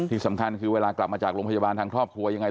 ที่สำคัญคือเวลากลับมาจากโรงพยาบาลทางครอบครัวยังไง